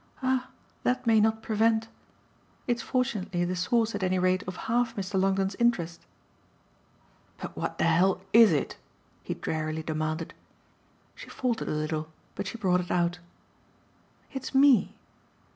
"Ah that may not prevent ! It's fortunately the source at any rate of half Mr. Longdon's interest." "But what the hell IS it?" he drearily demanded. She faltered a little, but she brought it out. "It's ME."